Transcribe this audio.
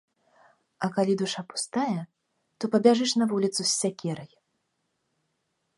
А калі душа пустая, то пабяжыш на вуліцу з сякерай.